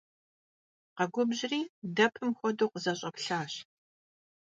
Khegubjri, depım xuedeu khızeş'eplhaş.